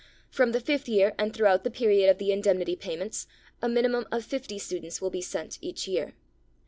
From the fifth year and throughout the period of the indemnity payments a minimum of fifty students will be sent each year.